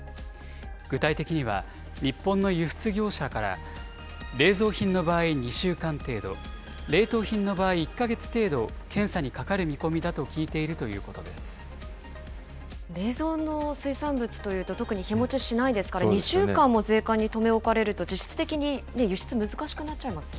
具体的には、日本の輸出業者から、冷蔵品の場合２週間程度、冷凍品の場合、１か月程度検査にかかる見込みだと聞いているということ冷蔵の水産物というと、特に日持ちしないですから、２週間も税関に留め置かれると、実質的に輸出難しくなっちゃいますよね。